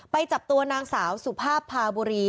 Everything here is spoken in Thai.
ไปจับตัวนางสาวสุภาพพาบุรี